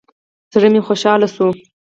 زړه مې خوشاله شو.